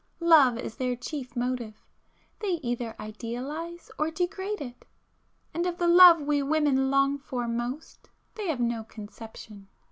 Love is their chief motive,—they either idealize or degrade it,—and of the love we women long for most, they have no conception.